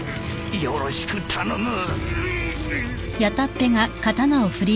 よろしく頼む。